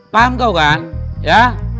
paham kau kan ya